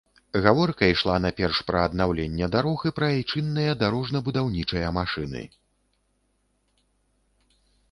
Гаворка ішла найперш пра аднаўленне дарог і пра айчынныя дарожна-будаўнічыя машыны.